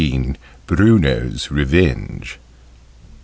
BRUNO'S REVENGE.